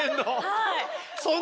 はい。